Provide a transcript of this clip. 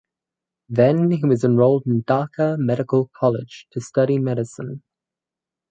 Then he was enrolled in Dhaka Medical College to study Medicine.